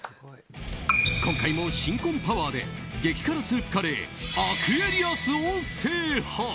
今回も新婚パワーで激辛スープカレーアクエリアスを制覇！